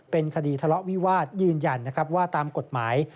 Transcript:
เป็นคดีทะเลาะวิวาสยืนยันนะครับว่าตามกฎหมาย